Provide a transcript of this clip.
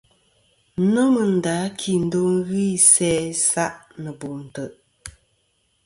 Nomɨ nda a kindo ghɨ isæ isa' nɨ bo ntè'.